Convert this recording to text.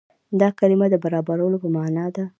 دا کلمه د برابرولو په معنا ده.